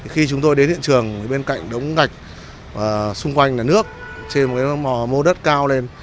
khi chúng tôi đến hiện trường bên cạnh đống gạch xung quanh là nước trên một cái mò mô đất cao lên